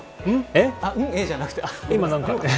えじゃなくて。